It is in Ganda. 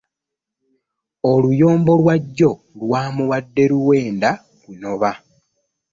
Oluyombo lwa jjo lwamuwadde luwenda kunoba.